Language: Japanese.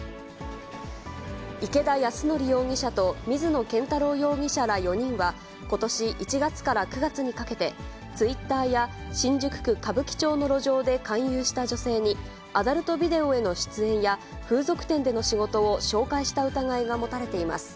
池田靖基容疑者と、水野健太郎容疑者ら４人は、ことし１月から９月にかけて、ツイッターや新宿区歌舞伎町の路上で勧誘した女性に、アダルトビデオへの出演や、風俗店での仕事を紹介した疑いが持たれています。